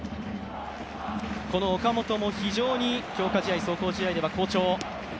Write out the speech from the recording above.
岡本も非常に強化試合、壮行試合では好調。